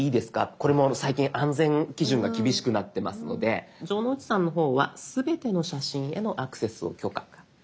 これも最近安全基準が厳しくなってますので城之内さんの方は「すべての写真へのアクセスを許可」。